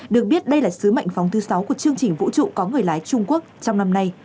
được biết đây là sứ mệnh phóng thứ sáu của chương trình vũ trụ có người lái trung quốc trong năm nay